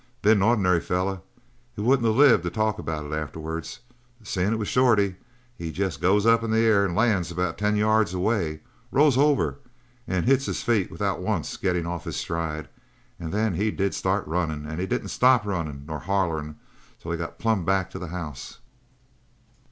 "Been an ordinary feller, and he wouldn't of lived to talk about it afterwards, but seein' it was Shorty, he jest goes up in the air and lands about ten yards away, and rolls over and hits his feet without once gettin' off his stride and then he did start runnin', and he didn't stop runnin' nor hollerin' till he got plumb back to the house!"